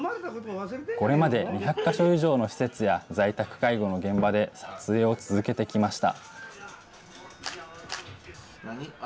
これまで２００か所以上の施設や、在宅介護の現場で撮影を続けてきました。